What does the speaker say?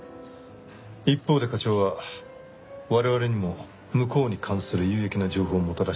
一方で課長は我々にも向こうに関する有益な情報をもたらしてくれる。